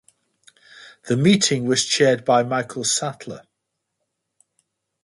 The meeting was chaired by Michael Sattler.